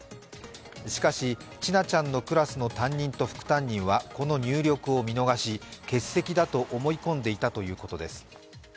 しかし千奈ちゃんのクラスの担任と副担任はこの入力を見逃し欠席だと思い込んでいたということです。